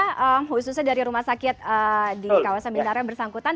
khususnya dari rumah sakit di kawasan bintang arem bersangkutan